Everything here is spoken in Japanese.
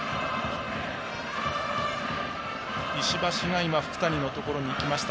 石橋が福谷のところに行きました。